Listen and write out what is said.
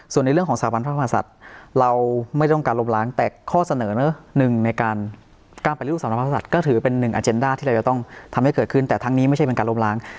ส่วนในเรื่องของสถาบันพระมหาศัตริย์เราไม่ต้องการล้มล้างแต่ข้อเสนอหนึ่งในการปฏิรูปสรรพสัตว์ก็ถือเป็นหนึ่งอาเจนด้าที่เราจะต้องทำให้เกิดขึ้นแต่ทั้งนี้ไม่ใช่เป็นการล้มล้าง